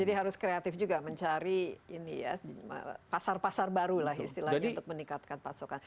jadi harus kreatif juga mencari pasar pasar baru lah istilahnya untuk meningkatkan pasokan